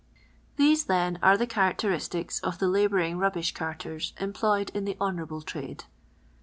Th<»e, then, arc the characteristics of the labiiurini; rubbish carters employed in the honour able trail e.